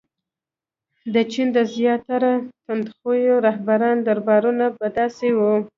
• د چین د زیاتره تندخویو رهبرانو دربارونه به داسې وو.